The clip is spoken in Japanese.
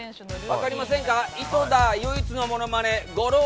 分かりませんか井戸田唯一のモノマネ